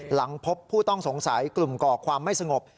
หลังพบผู้ต้องสงสัยกลุ่มก่อความไม่สงบ